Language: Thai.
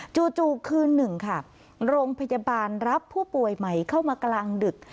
คืนหนึ่งค่ะโรงพยาบาลรับผู้ป่วยใหม่เข้ามากลางดึก